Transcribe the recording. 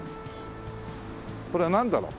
これはなんだろう？